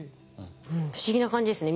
不思議な感じですね